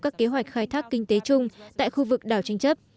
các kế hoạch khai thác kinh tế chung tại khu vực đảo tranh chấp